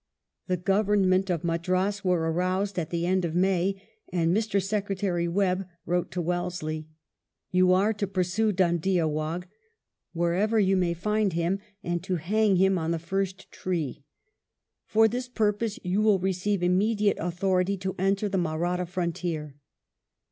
The Government of Madras were aroused at the end of May, and Mr. Secretary Webbe wrote to Wellesley: "You are to pursue Dhoondia Waugh, wherever you may find him, and to hang him on the first tree. For this purpose you will receive immediate authority to enter the Mahratta frontier."